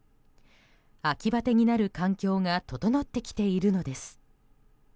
秋バテになる環境が整ってきているのです。